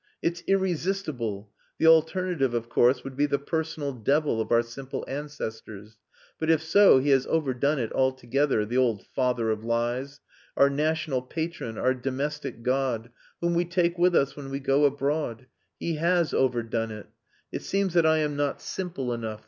It's irresistible.... The alternative, of course, would be the personal Devil of our simple ancestors. But, if so, he has overdone it altogether the old Father of Lies our national patron our domestic god, whom we take with us when we go abroad. He has overdone it. It seems that I am not simple enough....